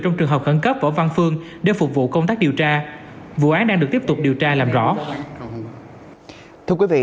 trong trường hợp khẩn cấp võ văn phương để phục vụ công tác điều tra vụ án đang được tiếp tục điều tra làm rõ